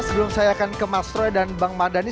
sebelum saya akan ke mas troy dan bang madani